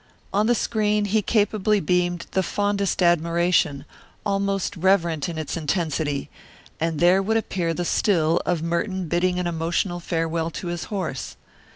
On the screen he capably beamed the fondest admiration, almost reverent in its intensity and there would appear the still of Merton bidding an emotional farewell to his horse.